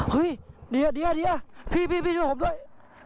เฮ้ยดีอ่ะดีอ่ะดีอ่ะพี่พี่พี่ช่วยผมด้วย